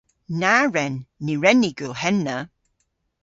Na wren! Ny wren ni gul henna.